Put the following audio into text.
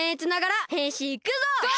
ゴー！